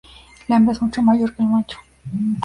La hembra es mucho mayor que el macho.